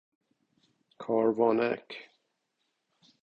کاروانک